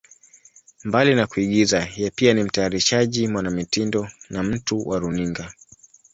Mbali na kuigiza, yeye pia ni mtayarishaji, mwanamitindo na mtu wa runinga.